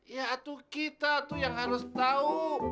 ya itu kita yang harus tahu